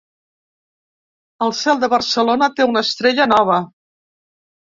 El cel de Barcelona té una estrella nova.